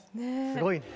すごいね。